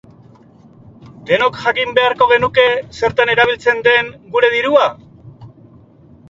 Denok jakin beharko genuke zertan erabiltzen den gure dirua?